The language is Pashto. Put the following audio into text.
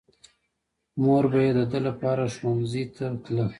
مور به يې د ده لپاره ښوونځي ته تله.